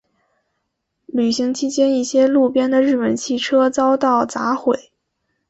游行期间一些路边的日本汽车遭到砸毁。